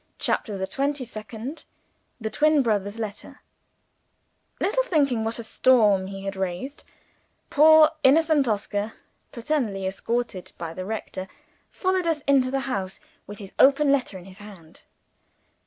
CHAPTER THE TWENTY SECOND The Twin Brother's Letter LITTLE thinking what a storm he had raised, poor innocent Oscar paternally escorted by the rector followed us into the house, with his open letter in his hand.